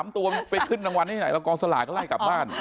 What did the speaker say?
๓ตัวไปขึ้นรางวัลที่ไหนแล้วกองสลากก็ไล่กลับบ้าน